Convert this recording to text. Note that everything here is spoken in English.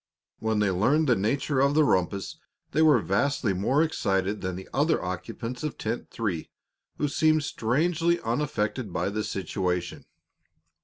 When they learned the nature of the rumpus they were vastly more excited than the other occupants of Tent Three, who seemed strangely unaffected by the situation.